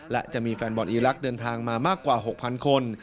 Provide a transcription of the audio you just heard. และจะมีแฟนบอลอีรักษ์เดินทางมามากกว่า๖๐๐คน